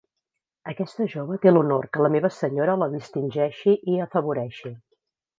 Aquesta jove té l'honor que la meva senyora la distingeixi i afavoreixi.